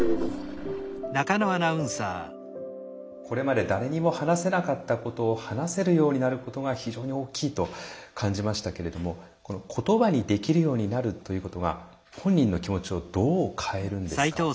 これまで誰にも話せなかったことを話せるようになることが非常に大きいと感じましたけれども言葉にできるようになるということが本人の気持ちをどう変えるんですか？